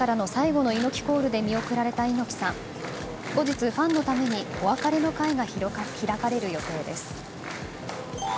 後日、ファンのためにお別れの会が開かれる予定です。